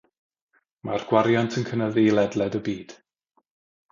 Mae'r gwariant yn cynyddu ledled y byd.